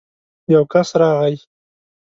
يو کس راغی.